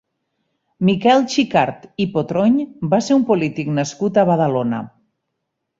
Miquel Xicart i Potrony va ser un polític nascut a Badalona.